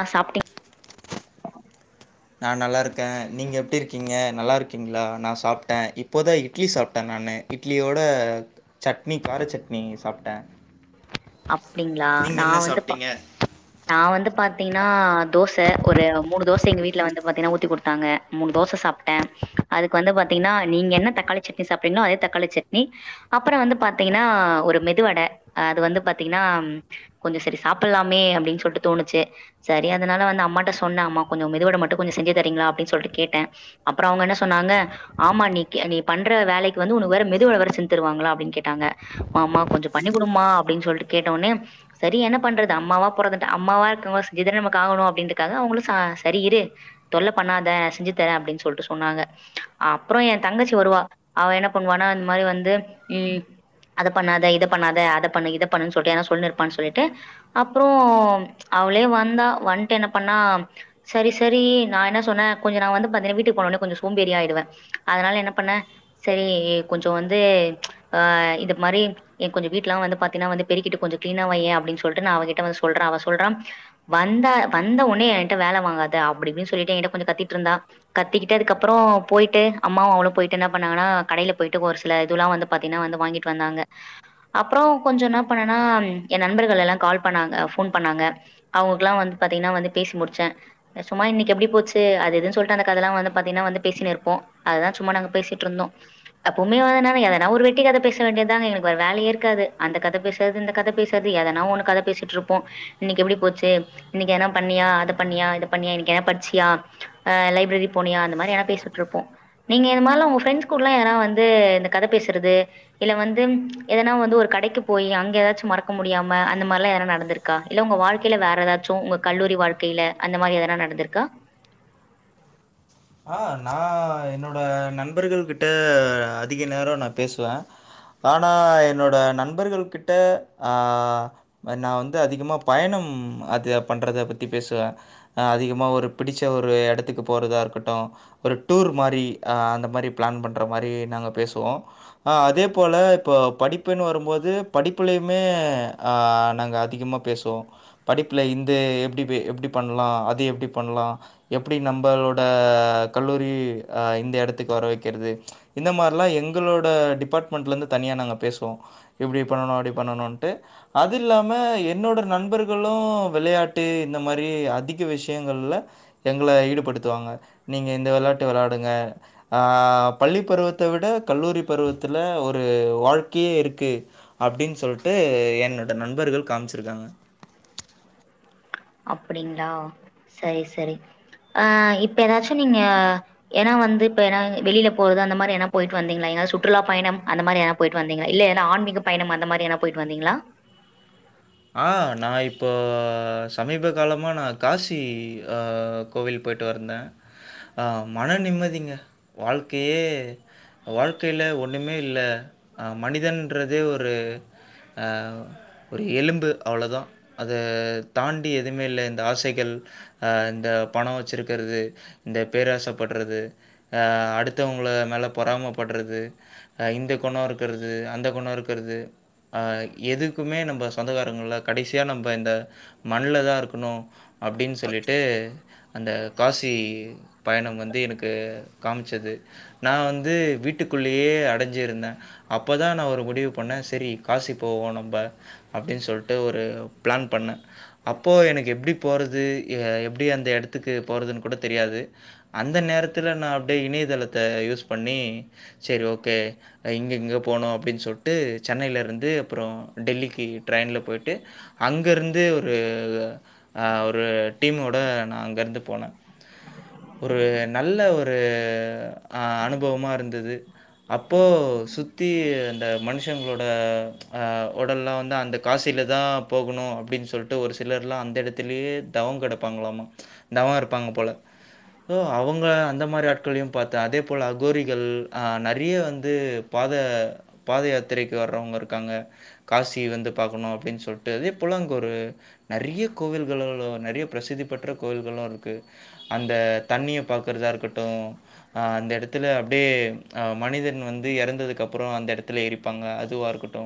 ஆ சாப்ட்டே நா நல்லாருக்க நீங்க எப்டி இருக்கீங்க நல்லாருக்கீங்ளா நா சாப்ட இப்போதா இட்லி சாப்ட நானு இட்லியோட சட்னி கார சட்னி சாப்ட்ட அப்டிங்ளா நா வந்து பா நா வந்து பாத்தீங்னா தோச ஒரு மூணு தோச எங்க வீட்ல வந்து பாத்தீங்னா ஊத்தி குடுத்தாங்க மூணு தோச சாப்ட்ட அதுக்கு வந்து பாத்தீங்கனா நீங்க என்ன தக்காளி சட்னி சாப்டிங்ளோ அதே தக்காளி சட்னி அப்றோ வந்து பாத்திங்கனா ஒரு மெதுவட அது வந்து பாத்தீங்கனா கொஞ்சோ சரி சாப்பலாமே அப்டின் சொல்ட்டு தோணுச்சு சரி அதனால வந்து அம்மாட்ட சொன்ன அம்மா கொஞ்சோ மெதுவட மட்டு செஞ்சு தரிங்ளா அப்டி சொல்ட்டு கேட்ட அப்றோ அவுங்க என்ன சொன்னாங்க ஆமா நீக் நீ பண்ற வேலைக்கு வந்து உனக்கு வேற மெதுவட வேற செஞ்தருவாங்ளா அப்டின் கேட்டாங்க மா மா கொஞ்சோ பண்ணிகுடுமா அப்டின் சொல்ட்டு கேட்ட ஒன்னே சரி என்ன பண்றது அம்மாவா பொறந்துட்ட அம்மாவா இருக்கவங்க செஞ்சிதானா நமக் ஆவனு அப்டின்றக்காக அவுங்களு சா சரி இரு தொல்ல பண்ணாத செஞ்சு தரே அப்டின் சொல் உள்ளட்டு சொன்னாங்க அப்றோம் எ தங்கச்சி வருவா அவ என்ன பண்ணுவானா இந்த மாரி வந்து ம் அத பண்ணாத இத பண்ணாத அத பண்ணு இதப் பண்ணுன் சொல்ட்டு எதனா சொல்லினே இருப்பான் சொல்லிட்டு அப்றோ அவளே வந்தா வன்ட்டு என்ன பண்ணா செரி செரி நா என்ன சொன்ன கொஞ்சொ நா வந்து பாத்தினா வீட்டுக்கு போனொன்னே கொஞ்சொ சோம்பேறி ஆய்ருவ அதனால என்ன பண்ண செரி கொஞ்சொ வந்து ஆ இது மாரி என் கொஞ்சொ வீட்லா வந்து பாத்தினா வந்து பெருக்கிட்டு கொஞ்சொ க்ளினா வைய்யே அப்டின் சொல்ட்டு அவகிட்ட வந்து சொல்ற அவ சொல்றா வந்தா வந்த ஒன்னே என்ட்ட வேல வாங்காத அப்டி இப்டின் சொல்லிட்டு என்கிட்ட கொஞ்சொ கத்திட்டுருந்தா கத்திகிட்டு அதுக்கப்றோ போய்ட்டு அம்மாவு அவளு போய்ட்டு என்ன பண்ணாங்கனா கடைல போய்ட்டு ஒரு சில இதுலா வந்து பாத்தினா வந்து வாங்கிட்டு வந்தாங்க அப்றோ கொஞ்சோ ந இப்ப என்னனா எ நண்பர்கள் எல்லா கால் பண்ணாங்க ஃபோன் பண்ணாங்க அவுங்களுக்லா வந்து பத்தீங்கனா வந்து பேசி முடிச்ச சும்மா இன்னைக்கு எப்டி போச்சு அது இதுன் சொல்ட்டு அந்த கதெல்லா வந்து பாத்திங்கனா வந்து பேசினு இருப்போ அததா சும்மா நாங்க பேசிட்ருந்தோ அப்ப உன்னயு வரநேரொ எதனா ஒரு வெட்டிகத பேச வேண்டியதாங்க எனக்கு வேற வேலயே இருக்காது அந்த கத பேச அது இந்த கத பேசறது எதனா ஒன்னு கத பேசிட்ருப்போ இன்னைக் எப்டி போச்சு இன்னைக்கு எதனா பண்ணியா அத பண்ணியா இத பண்ணியா இன்னைக்கு எனா பட்ச்சியா அ லைப்ரரி போனியா அந்த மாரி எனா பேசிட்ருப்போ நீங்க இதமாரிலா உங்க ஃப்ரெண்ட்ஸ் கூடலா யாரா வந்து இந்த கத பேசுறது இல்ல வந்து எதனா வந்து ஒரு கடைக்கு போயி அங் எதாச்சு மறக்கமுடியாம அந்த மார்லா எதனா நடந்துருக்கா இல்ல உங்க வாழ்க்கைல வேற எதாச்சு உங்க கல்லூரி வாழ் கையில அந்த மாரி எதனா நடந்ருக்கா ஆ நா என்னோட நண்பர்கள் கிட்ட அதிக நேரொ நா பேசுவ ஆனா என்னோட நண்பர்கள் கிட்ட ஆ நா வந்து அதிகமா பயணம் அத பண்றத பத்தி பேசுவ ஆ அதிகமா ஒரு பிடிச்ச ஒரு எடத்துக்கு போறதா இருக்கட் டு ஒரு டூர் மாரி அந்த மாரி ப்ளான் பண்ற மாரி நாங்க பேசுவோ ஆ அதேபோல இப்ப படிப்புன் வரும்போது படிப்புலயுமே ஆ நாங்க அதிகமா பேசுவோ படிப்ல இந்த எப்டி பி எப்டி பண்லா அது எப்டி பண்லா எப்டி நம்பளோட ஆ கல்லூரி ஆ இந்த எடத்துக்கு வர வெக்கறது இந்த மார்லா எங்களோட டிபார்ட்மெண்ட்லந்து தனியா நாங்க பேசுவோ இப்டி பண்ணணு அப்டி பண்ணணூன்ட்டு அதில்லாம என்னோட நண்பர்களு வெளயாட்டு இந்த மாரி அதிக விஷயங்கள்ல எங்கள ஈடுபடுத்துவாங்க நீங்க இந்த வெளாட்டு வெளாடுங்க ஆ பள்ளி பருவத்த விட கல்லூரி பருவத்துல ஒரு வாழ்க்கையே இருக்கு அப்டின் சொல்ட்டு என்னோட நண்பர்கள் காம்ச்சிருக்காங்க அப்டிங்ளா சரி சரி அ இப்ப எதாச்சு நீங்க ஏனா வந்து இப்ப எனா வெளியில போறது அந்த மாரி எனா போயிட்டு வந்திங்ளா எங்காவது சுற்றுலா பயணம் அந்த மாரி எதனா போயிட்டு வந்தீங்களா இல்ல எதனா ஆன்மீக பயணம் அந்த மாரி எதனா போயிட் வந்தீங்ளா ஆ நா இப்போ சமீப காலமா நா காசி ஆ கோவில் போயிட்டு வந்த அ மனநிம்மதிங்க வாழ்க்கையே வாழ்க்கைல ஒன்னுமே இல்ல அ மனிதன்றதே ஒரு அ ஒரு எலும் அவ்ளதா அத தாண்டி எதுமே இல்ல இந்த ஆசைகள் அ இந்த பணோ வச்சிருக்கிறது இந்த பேராசப்படுறது அ அடுத்தவங்கள மேல பொறாம பட்றது அ இந்த கொணோ இருக்கிறது அந்த கொணோ இருக்கிறது அ எதுக்குமே நம்ப பாருங்களே கடைசியா நம்ப இந்த மண்ல தா இருக்கணு அப்டின் சொல்லிட்டு அந்த காசி பயணம் வந்து எனக்கு காமிச்சது நா வந்து வீட்டுக்குள்ளேயே அடஞ்சிருந்தே அப்பதா நா ஒரு முடிவு பண்ணே சேரி காசி போவோ நம்ப அப்டின் சொல்ட்டு ஒரு பிளான் பண்ணே அப்போ எனக்கு எப்டி போறது எ எப்படி அந்த இடத்துக்கு போறதுன் கூட தெரியாது அந்த நேரத்தில நா அப்படியே இணையதளத்த யூஸ் பண்ணி செர் ஓகே இங்க இங்கே போனோ அப்டின் சொல்ட்டு சென்னையில இருந்து அப்புறோ டெல்லிக்கி ட்ரெயின்ல போயிட்டு அங்க இருந்து ஒரு அ ஒரு டீமோட நா அங்கேருந்து போனோ ஒரு நல்ல ஒரு அனுபவமா இருந்துது அப்போ சுத்தி அந்த மனுஷங்களோட அ ஒடல்லா வந்து அந்த காசியில தா போகணு அப்டின் சொல்ட்டு ஒரு சிலர்லா அந்த இடத்துலயே தவம் கடப்பாங்களாமா தவோ இருப்பாங்க போல அவங்க அந்த மாரி ஆட்களயும் பாத்த அதே போல அகோரிகள் அ நிறைய வந்து பாத பாதை யாத்திரைக்கு வர்றவங்க இருக்காங்க காசி வந்து பாக்கணு அப்டின் சொல்ட்டு அதே போல அங்க ஒரு நிறைய கோவில்களு நிறைய பிரசிதி பெற்ற கோவில்களு இருக்கு அந்த தண்ணிய பாக்கறதா இருக்கட்டு அ அந்த எடத்துல அப்டியே அ மனிதன் வந்து இறந்ததுக்கப்புறோ அந்த எடத்துல எரிப் பாங்க அதுவா இருக்கட்டு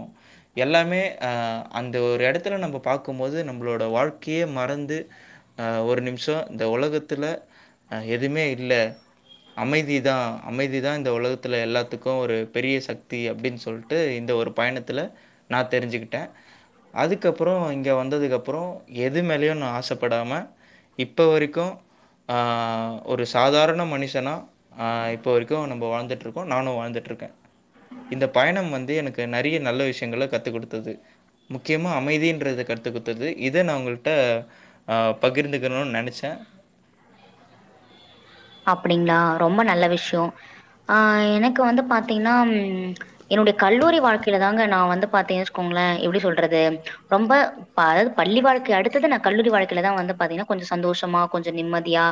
எல்லாமே அ அந்த ஒரு எடத்துல நம்பொ பாக்கும்போது நம்பளோட வாழ்க்கையே மறந்து அ ஒரு நிமிஷோ இந்த ஒலகத்தில எதுமே இல்ல அமைதி தா அமைதி தா இந்த உலகத்துல எல்லாத்துக்கு ஒரு பெரிய சக் தீ அப்டின் சொல்ட்டு இந்த ஒரு பயணத்தில நா தெரிஞ்சுக் ட்ட அதுக்கப்புறோ இங்க வந்ததுக் அப்புறோ எது மேலயு நா ஆசைப்படாம இப்ப வரைக்கு ஆ ஒரு சாதாரண மனுஷனா ஆ இப்போ வரைக்கு நம்ப வாழ்ந்துட்ருக்கோ நானு வாழ்ந்துட்ருக்கே இந்த பயணம் வந்து எனக்கு நறைய நல்ல விஷயங்கள கத்து கொடுத்தது முக்கியமா அமைதியின்றத கத்து குத்தது இத நா உங்கள்ட்ட அ பகிர்ந்துக்கணுன் நினச்சே அப்படிங்களா ரொம்ப நல்ல விஷ்யோ அ எனக்கு வந்து பாத்தீங்ன்னா ம் என்னுடைய கல்லூரி வாழ்க்கையில தாங்க நா வந்து பாத்தே வச்சுக்கோங்களே எப்படி சொல்றது ரொம்ப ப்ப அதாவது பள்ளி வாழ்க்கை அடுத்தது நா கல்லூரி வாழ்க்கையிலதா வந்து பாத்தீங்கன்னா கொஞ்ச சந்தோஷமா கொஞ்ச நிம்மதியா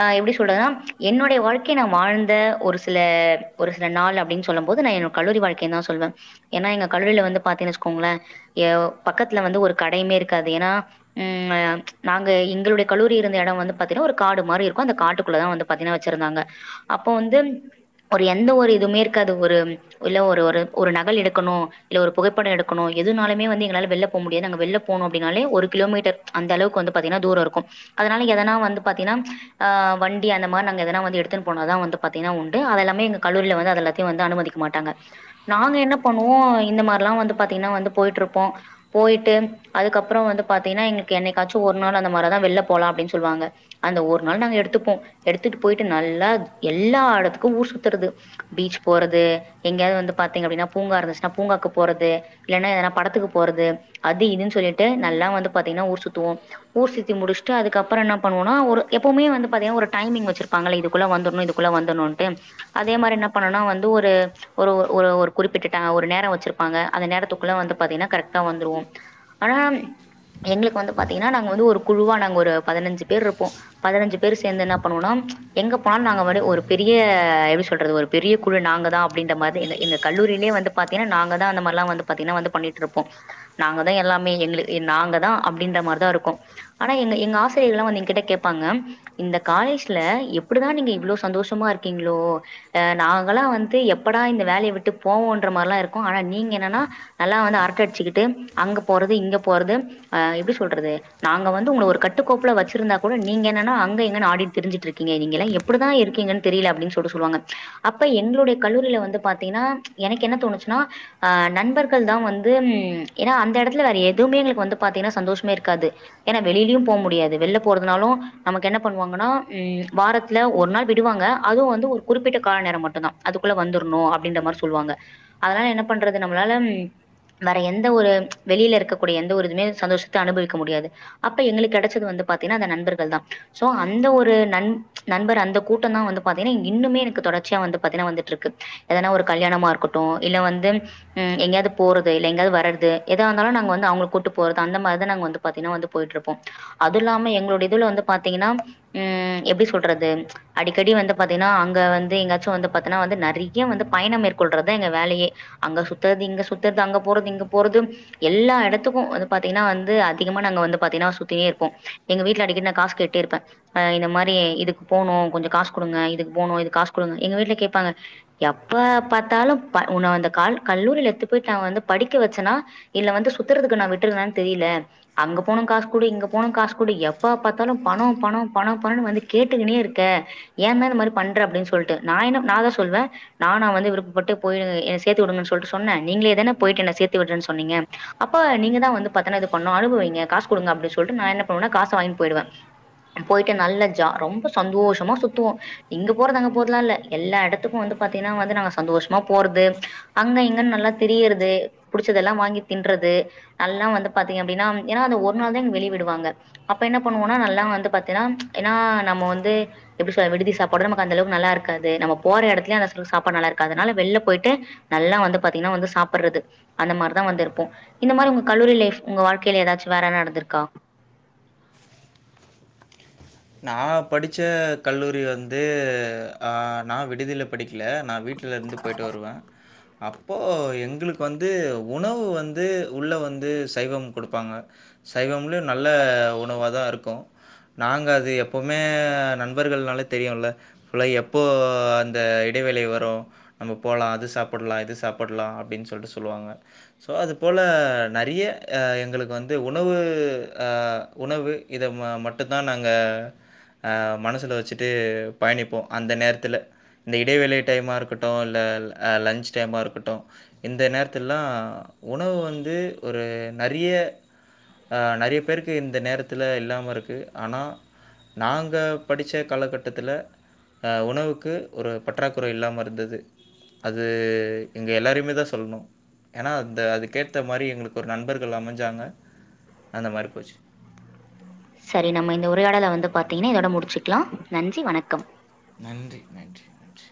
ஆ எப்படி சொல்றதுன்னா என்னுடைய வாழ்க்கை நா வாழ்ந்த ஒரு சில ஒரு சில நாள் அப்படின் சொல்லும் போது நா என் கல்லூரி வாழ்க்கை தா சொல்வே ஏன்னா எங்க கல்லூரியில வந்து பாத்தீன்னினச்சுக்கோங்களே யோ பக்கத்துல வந்து ஒரு கடையுமே இருக்காது ஏன்னா ம் நாங்க எங்களுடைய கல்லூரி இருந்த எடம் வந்து பாத்தீங்கன்னா ஒரு காடு மாரி இருக்கு அந்த காட்டு குள்ள தா வந்து பாத்தீன்னா வச்சிருந்தாங்க அப்போ வந்து ஒரு எந்த ஒரு இதுவுமே இருக்காது ஒரு இல்ல ஒரு ஒரு ஒரு நகல் எடுக்கணு இல்ல ஒரு புகைப்பட எடுக்கணு எதுனாலுமே வந்து எங்களால வெள்ல போ முடியாது நாங்க வெள்ளப் போனும் அப்டினாலே ஒரு கிலோமீட்டர் அந்த அளவுக்கு வந்து பாத்தீங்கன்னா தூர இருக்கும் அதனால எதனா வந்து பாத்தீங்கன்னா ஆ வண் டி அந்த மார் நாங்க எதனா வந்து எடுத்துனு போனாதா வந்து பாத்திங்னா உண்டு அது எல்லாமே எங்க கல்லூரில வந்து அது எல்லாத்தையும் வந்து அனுமதிக்க மாட்டாங்க நாங்க என்ன பண்ணுவோ இந்த மாரில்லா வந்து பாத்தீங்கன்னா வந்து போய்ட்ருப்போ போய்ட்டு அதுக்கப்புற வந்து பாத்தீங்கன்னா இன்னைக்கு என்னைக்காச்சு ஒரு நாள் அந்த மாதிரி எதனா வெள்ல போலா அப்டின்னு சொல்லுவாங்க அந்த ஒர் நாள் நாங்க எடுத்துப்போம் எடுத்துட்டு போயிட்டு நல்லா எல்லா எடத்துக்கும் ஊர் சுத்துறது பீச் போறது எங்கேயாவது வந்து பாத்தீங்க அப்டின்னா பூங்கா இருந்துச்சுன்னா பூங்காக்கு போறது இல்லைன்னா எதனா படத்துக்கு போறது அது இதுன்னு சொல்லிட்டு நல்லா வந்து பாத்தீங்கன்னா ஊர் சுத்துவோ ஊர் சுத்தி முடிச்ட்டு அதுக்கப்புற என்ன பண்ணுவோனா ஒரு எப்பவுமே வந்து பாத்தீங்னா ஒரு டைமிங் வச்சிருப்பாங்கள இதுக்குள்ள வந்துர்ணு இதுக்குள்ள வந்துர்ணும்ட்டு அதே மாரி என்ன பண்ணனா வந்து ஒரு ஒரு ஒரு ஒரு குறிப்பிட்ட டா ஒரு நேரொ வச்சிருப்பாங்க அந்த நேரத்துக்குள்ள வந்து பாத்தீங்கன்னா கரெக்டா வந்துருவோ ஆம் எங்ளுக்கு வந்து பாத்தீங்கன்னா நாங்க வந்து ஒரு குழுவா நாங்க ஒரு பதினஞ்சு பேர்ருப்போ பதினஞ்சு பேர் சேந்துனா பண்ணுவோ நாங் எங்கப்பா நாங்கவடு ஒரு பெரிய எப்டி சொல்றது ஒரு பெரிய குழு நாங்க தா அப்பிடின்ற மாரி எங்க கல்லூரிலே வந்து பாத்தீனா நாங்க தா அந்த மாரில்லா வந்து பாத்தீங்கன்னா வந்து பண்ணிட்டுருப்போ நாங்கதா எல்லாமே எங்ளுக்கு நாங்க தா அப்டின்ற மாரிதா இருக்கு ஆனா எங்க எங்க ஆசிரியர்கள்லா வந்து எங்க கிட்ட கேப்பாங்க இந்த காலேஜ்ல எப்டிதா நீங்க இவ்ளோ சந்தோஷமா இருக்கீங்களோ அ நாங்கலா வந்து எப்படா இந்த வேலைய விட்டு போவோன்ற மாரிலா இருக்கோ ஆனா நீங்க என்னன்னா நல்லா வந்து அரட்ட அடிச்சுக்கிட்டு அங்க போறது இங்க போறது அ எப்டி சொல்றது நாங்க வந்து உங்கள ஒரு கட்டுக்கோப்புல வச்சிருந்தா கூட நீங்க என்னன்னா அங்க எங்கனு ஆடிட் திரிஞ்சுட் இருக்கீங்க நீங்களா எப்டிதா இருக்கீங்கன் தெரியல அப்டின் சொல்டு சொல்லுவாங்க அப்ப எங்களுடைய கல்லூரியில வந்து பாத்தீங்கன்னா எனக்கு என்ன தோணுச்சுன்னா ஆ நண்பர்கள் தா வந்து ஏனா அந்த எடத்துல வேற எதுவுமே எங்களுக்கு வந்து பாத்தீங்கன்னா சந்தோஷமே இருக்காது ஏன்னா வெளியிலேயு போக முடியாது வெள்ல போறதுனாலு நமக்கு என்ன பண்ணுவாங்கன்னா வாரத்துல ஒரு நாள் விடுவாங்க அதுவு வந்து ஒரு குறிப்பிட்ட கால நேர மட்டுந்தா அதுக்குள்ள வந்துரணு அப்டின்ற மாரி சொல்லுவாங்க அதனால என்ன பண்றது நம்மளால வேற எந்த ஒரு வெளியில இருக்கக்கூடிய எந்த ஒரு இதுமே சந்தோஷத்த அனுபவிக்க முடியாது அப்ப எங்களுக்கு கெடச்சது வந்து பாத்தீன்னா அந்த நண்பர்கள் தா சோ அந்த ஒரு நண் நண்பர் அந்த கூட்டந்தா வந்து பாத்தீங்கன்னா இன்னுமே எனக்கு தொடர்ச்சியா வந்து பாத்தீங்கன்னா வந்துட்ருக்கு எதனா ஒரு கல்யாணமா இருக்கட்டும் இல்ல வந்து ம் எங்கயாது போறது இல்ல எங்கயாது வர்றது எதா இருந்தாலும் நாங்க வந்து அவங்கள கூட்டு போறது அந்த மாரிதா நாங்க வந்து பாத்தீன்னா வந்து போயிட்டு இருப்போ அது இல்லாம எங்கோட இதுவுல வந்து பாத்தீங்கன்னா ம் எப்டி சொல்றது அடிக்கடி வந்து பாத்தீங்கன்னா அங்க வந்து எங்காச்சும் வந்து பாத்தீங்கன்னா வந்து நிறைய வந்து பயணம் மேற்கொள்றதுதா எங்க வேலையே அங்க சுத்துறது இங்க சுத்துறது அங்க போறது இங்க போறது எல்லா எடத்துக்கு வந்து பாத்தீங்கன்னா வந்து அதிகமா நாங்க வந்து பாத்தீங்கன்னா சுத்தினே இருப்போம் எங்க வீட்ல அடிக்கடி நா காசு கேட்டு கேட்டுடே இருப்ப அ இந்த மாரி இதுக்கு போனும் கொஞ்ச காஸ் குடுங்க இதுக்கு போணு இதுக்கு காஸ குடுங்க எங்க வீட்ல கேப்பாங்க எப்ப பாத்தாலு ப உனை அந்த கல் கல்லூரில எத்து போயிட்டு நா வந்து படிக்க வச்சேனா இல்ல வந்து சுத்துறதுக்கு நா விட்டறானு தெரியல அங்க போனும் காஸ் குடு இங்க போனும் காஸ் குடு எப்ப பாத்தாலு பணொ பணொ பணொ பணோனு வந்து கேட்டுக்குன்னே இருக்க ஏந்தா இந்த மாரி பண்ற அப்டின் சொல்ட்டு நா என்ன நான் தா சொல்வே நானா வந்து விருப்பப்பட்டு போய என சேத்து விடுங்கன்னு சொல்ட்டு சொன்னே நீங்களேதானே போயிட்டு என்ன சேத்து விட்றேன் சொன்னீங்க அப்ப நீங்க தா வந்து பாத்தனா இது பண்ணு அனுபவிங்க காஸ் குடுங்க அப்டி சொல்ட்டு நா என்ன பண்ணுவேனா காஸ வாங்கினு போயிடுவே போயிட்டு நல்ல ஜா ரொம்ப சந்தோஷமா சுத்துவோ இங்க போறது அங்க போறதலால்ல எல்லா எடத்துக்கு வந்து பாத்தீங்கன்னா வந்து நாங்க சந்தோஷமா போறது அங்க இங்கன்னு நல்லா தெரியறது புடிச்சதெல்லா வாங்கி தின்ற்றது நல்லா வந்து பாத்தீங்க அப்டின்னா ஏன்னா அது ஒரு நாள் தா எங்க வெளியே விடுவாங்க அப்ப என்ன பண்ணுவோனா நல்லா வந்து பாத்தீன்னா ஏன்னா நம்ம வந்து எப்படி சொல்றது விடுதி சாப்பாடு நமக்கு அந்தளவுக்கு நல்லாருக்கது நம்ம போற எடத்துலயு அந்தளவு சாப்பாடு நல்லாருக்காதுனால வெல்ல போயிட்டு நல்லா வந்து பாத்தீங்கன்னா வந்து சாப்ட்றது அந்த மாதிரிதா வந்துருப்போ இந்த மாரி உங்க கல்லூரி லைஃப் உங்க வாழ்க்கையில ஏதாச்சு வேற என்ன நடந்துருக்கா நா படிச்ச கல்லூரி வந்து நா விடுதில்ல படிக்கல நா வீட்டுலருந்து போயிட்டு வருவே அப்போ எங்களுக்கு வந்து உணவு வந்து உள்ள வந்து சைவோ குடுப்பாங்க சைவமுலயு நல்ல உணவ தாருக்கு நாங்க அது அது எப்பவுமே நண்பர்கள்னாலே தெரியுல்ல குள்ள எப்போ அந்த இடைவேளி வரு நம்ம போலா அது சாப்புல்லா இது சாப்புல்லா அப்படின்னு சொல்லிட்டு சொல்லுவாங்க சோ அதுபோ நறைய அ எங்களுக்கு வந்து உணவு அ உணவு இத ம மட்டு தா நாங்க அ மனசுல வச்சுட்டு பயணிப்போ அந்த நேரத்துல்ல இந்த இடைவெள டைமாருக்கட்டு இல்ல லன்ச் டைமாருக்கட்டு இந்த நேரத்துல்லா உணவு வந்து ஒரு நறைய ஆ நறைய பேருக்கு இந்த நேரத்துல இல்லாம இருக்கு ஆனா நாங்க படிச்ச காலகட்டத்துல அ உணவுக்கு ஒரு பற்றாக்குறை இல்லாம இருந்தது அது எங்க எல்லாரையுமே தா சொல்லணு ஏன்னா அந்த அது கேத்த மாரி எங்களுக்கு ஒரு நண்பர்கள் அமைஞ்சாங்க அந்த மாரி போச்சு சேரி நம்ம இந்த உரையாடல வந்து பாத்திங்கன்னா இதோட முடிச்சக்கலா நன்றி வணக்கம் நன்றி நன்றி நன்றி